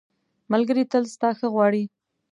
ملګری تل ستا ښه غواړي.